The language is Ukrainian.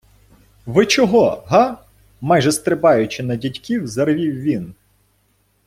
- Ви чого?! Га?! - майже стрибаючи на дядьків, заревів він.